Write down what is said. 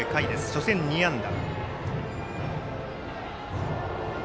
初戦、２安打。